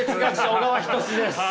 小川仁志です。